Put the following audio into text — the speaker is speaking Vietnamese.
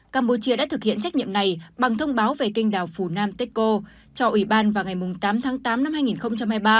campuchia đã thực hiện trách nhiệm này bằng thông báo về kênh đảo phunanteco cho ủy ban vào ngày tám tháng tám năm hai nghìn hai mươi ba